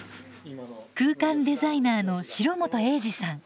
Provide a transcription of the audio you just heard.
空間デザイナーの城本栄治さん。